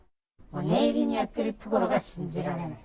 念入りにやっているところが信じられない。